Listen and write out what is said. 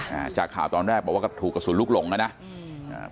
อ่าจากข่าวตอนแรกบอกว่าก็ถูกกระสุนลูกหลงอ่ะนะอืมอ่า